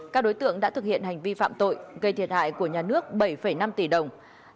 các đối tượng đã thực hiện hành vi phạm tội gây thiệt hại của nhà nước bảy năm tỷ đồng